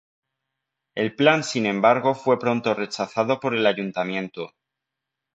El plan sin embargo fue pronto rechazado por el Ayuntamiento.